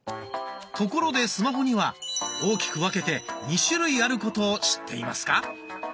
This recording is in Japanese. ところでスマホには大きく分けて２種類あることを知っていますか？